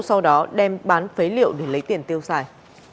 sau đó đem bán phế liệu để lấy tiền tiêu xài